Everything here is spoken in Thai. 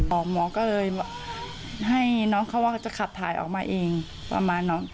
หมอก็เลยให้น้องเขาว่าเขาจะขับถ่ายออกมาเองประมาณนั้น